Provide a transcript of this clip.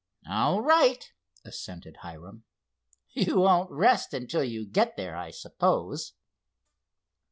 "All right," assented Hiram. "You won't rest until you get there, I suppose."